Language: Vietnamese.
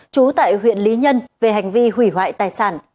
trú tại huyện lý nhân về hành vi hủy hoại tài sản